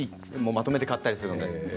まとめて買ったりするのでね